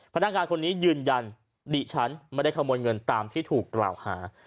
พนักงานคนนี้ยืนยันดิฉันไม่ได้ขโมยเงินตามที่ถูกกล่าวหา